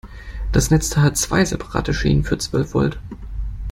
Das Netzteil hat zwei separate Schienen für zwölf Volt.